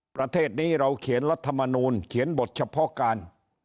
ประเทศนี้เราเขียนรัฐมนูลเขียนบทเฉพาะการ